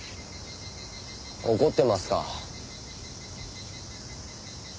怒ってますか？